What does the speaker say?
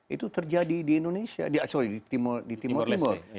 itu terjadi di timur timur